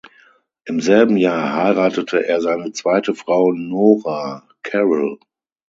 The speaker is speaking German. Im selben Jahr heiratete er seine zweite Frau Norah Carrol.